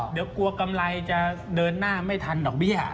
เดี๋ยวกลัวกำไรจะเดินหน้าไม่ทันดอกเบี้ย